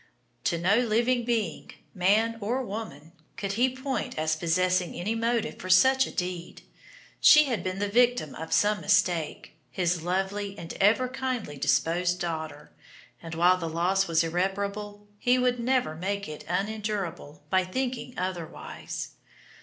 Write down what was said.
To no living being, man or woman, could he point as possessing any motive for such a deed. She had been the victim of some mistake, his lovely and ever kindly disposed daughter, and while the loss was irreparable he would never make it unendurable by thinking otherwise.